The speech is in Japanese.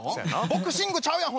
ボクシングちゃうやん